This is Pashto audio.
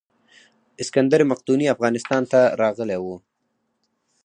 اسکندر مقدوني افغانستان ته راغلی و